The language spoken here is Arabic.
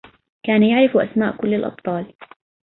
كان يعرف أسماء كل الابطال.